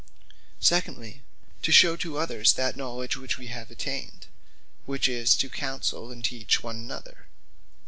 Secondly, to shew to others that knowledge which we have attained; which is, to Counsell, and Teach one another.